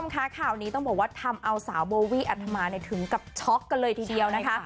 ค่ะข่าวนี้ต้องบอกว่าทำเอาสาวโบวี่อัธมาถึงกับช็อกกันเลยทีเดียวนะคะ